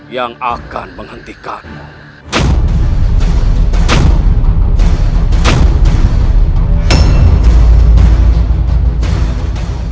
yang akan menghentikanmu